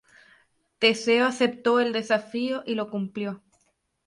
Teseo aceptó el desafío y lo cumplió.